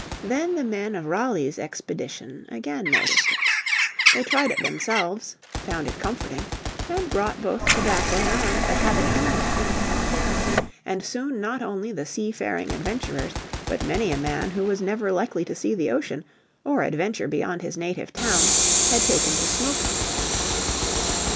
Then the men of Raleigh's expedition again noticed it. They tried it themselves, found it comforting, and brought both tobacco and the habit home with them. And soon not only the seafaring adventurers but many a man who was never likely to see the ocean, or adventure beyond his native town, had taken to smoking.